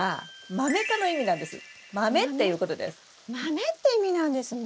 マメって意味なんですね。